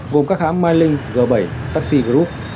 gồm các hãm mylink g bảy taxi group